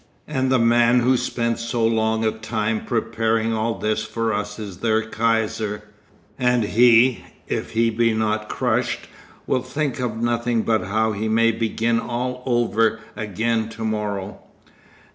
And the man who spent so long a time preparing all this for us is their Kaiser and he, if he be not crushed, will think of nothing but how he may begin all over again to morrow."